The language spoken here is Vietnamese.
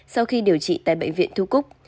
sau khi điều trị tại bệnh viện thu cúp